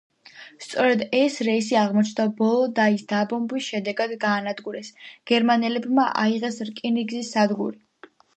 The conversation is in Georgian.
სწორედ ეს რეისი აღმოჩნდა ბოლო და ის დაბომბვის შედეგად გაანადგურეს, გერმანელებმა აიღეს რკინიგზის სადგური.